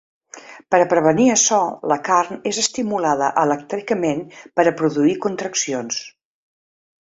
Per a prevenir açò la carn és estimulada elèctricament per a produir contraccions.